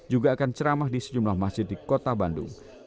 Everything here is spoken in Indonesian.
juga akan ceramah di sejumlah masjid di kota bandung